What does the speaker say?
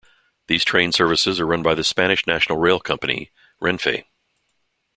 These train services are run by the Spanish national rail company, Renfe.